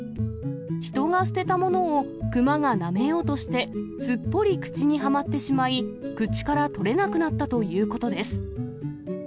人が捨てたものをクマがなめようとして、すっぽり口にはまってしまい、口から取れなくなったということです。